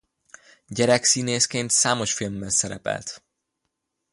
Gyerekszínészként számos filmben szerepelt.